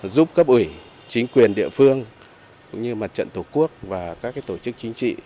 giúp cấp ủy chính quyền địa phương cũng như mặt trận tổ quốc và các tổ chức chính trị